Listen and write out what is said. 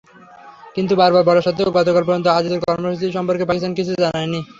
কিন্তু বারবার বলা সত্ত্বেও গতকাল পর্যন্ত আজিজের কর্মসূচি সম্পর্কে পাকিস্তান কিছুই জানায়নি।